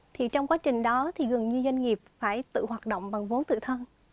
thì trong quá trình đó thì gần như doanh nghiệp phải tự hoạt động bằng vốn tự thân